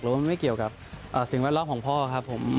หรือว่ามันไม่เกี่ยวกับสิ่งแวดรอบของพ่อครับ